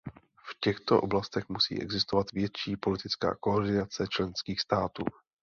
V těchto oblastech musí existovat větší politická koordinace členských států.